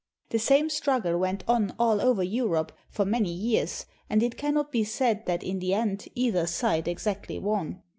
The same struggle went on all over Europe for many years, and it cannot be said that in the end either side exactly won.